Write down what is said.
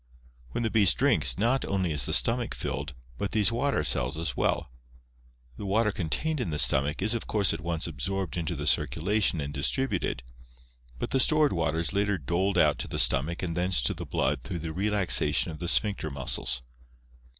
When the beast drinks, not only is the stomach filled, but these water cells as well. The water contained in the stomach is of course at once absorbed into the circulation and distributed, but the stored water is later doled out to the stomach and thence to the blood through the relaxation of the sphincter muscles.